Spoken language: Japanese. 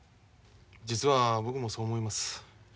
実は僕もそう思います。